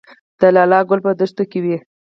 د لاله ګل په دښتو کې وي